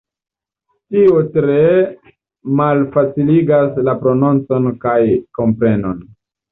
Tio tre malfaciligas la prononcon kaj komprenon.